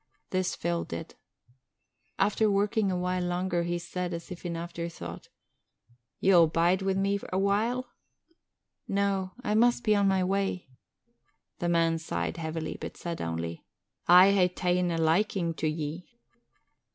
This Phil did. After working a while longer he said as if in afterthought, "Ye'll bide wi' me a while?" "No, I must be on my way." The man sighed heavily but said only, "I hae ta'en a likin' to ye."